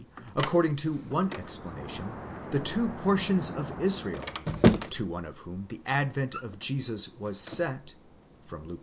according to one explanation, the two portions of Israel, to one of whom the advent of Jesus was set (Luke ii.